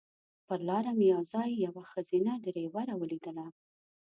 پر لاره مې یو ځای یوه ښځینه ډریوره ولیدله.